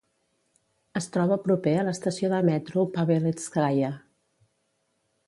Es troba proper a l'estació de metro Pavelétskaia.